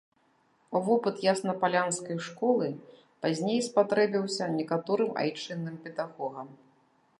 Вопыт яснапалянскай школы пазней спатрэбіўся некаторым айчынным педагогам.